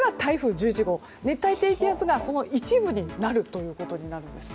熱帯低気圧がその一部になるということになるんです。